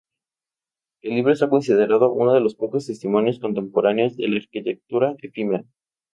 El libro está considerado uno de los pocos testimonios contemporáneos de la "arquitectura efímera".